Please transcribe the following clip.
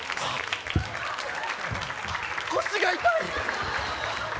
腰が痛い！